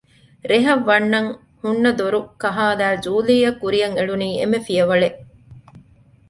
ރެހަށް ވަންނަން ހުންނަ ދޮރުކަހާލައި ޖޫލީއަށް ކުރިއަށް އެޅުނީ އެންމެ ފިޔަވަޅެއް